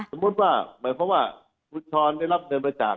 สมมุติว่าหมายความว่าคุณช้อนได้รับเงินบริจาค